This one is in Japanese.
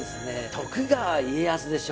徳川家康でしょ？